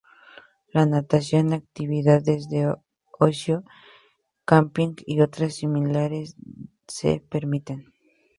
La natación, actividades de ocio, camping y otras similares se permiten.